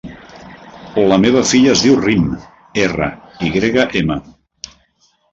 La meva filla es diu Rym: erra, i grega, ema.